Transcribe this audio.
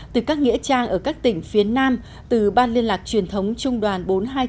từ các nghĩa trang ở các tỉnh phía nam từ ban liên lạc truyền thống trung đoàn bốn trăm hai mươi